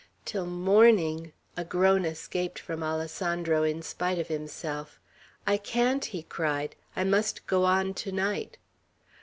"Till morning!" A groan escaped from Alessandro, in spite of himself. "I can't!" he cried. "I must go on to night."